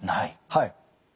はい。